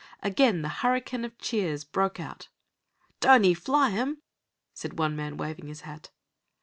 Again the hurricane of cheers broke out. "Don't he fly 'em," said one man, waving his hat.